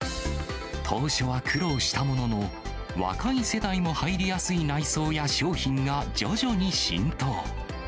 当初は苦労したものの、若い世代も入りやすい内装や商品が徐々に浸透。